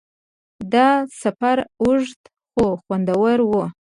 دا سفر اوږد خو خوندور و.